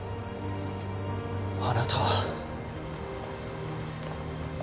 あなたは